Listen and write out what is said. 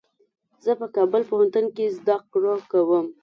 زه په کابل پوهنتون کي زده کړه کوم.